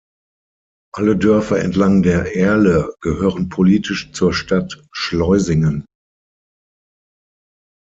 Alle Dörfer entlang der Erle gehören politisch zur Stadt Schleusingen.